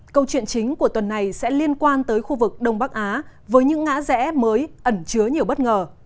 câu chuyện chính của tuần này sẽ liên quan tới khu vực đông bắc á với những ngã rẽ mới ẩn chứa nhiều bất ngờ